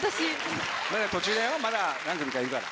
まだ途中だよまだ何組かいるから。